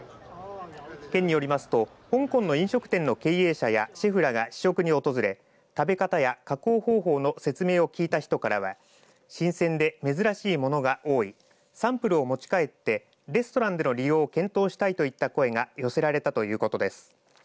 県によりますと香港の飲食店の経営者やシェフらが試食に訪れ食べ方や加工方法の説明を聞いた人からは新鮮で珍しいものが多いサンプルを持ち帰ってレストランでの利用を検討したいといった声が寄せられたということです。